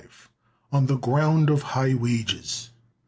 —on the ground of high wages.